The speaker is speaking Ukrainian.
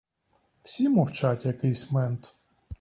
Всі мовчать якийсь мент.